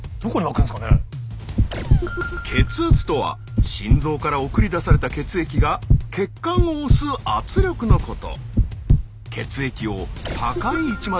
血圧とは心臓から送り出された血液が血管を押す圧力のこと。